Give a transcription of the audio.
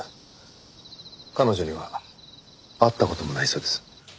彼女には会った事もないそうです。